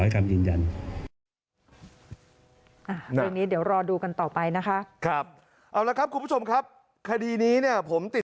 ครับเอาละครับคุณผู้ชมครับคดีนี้ผมติด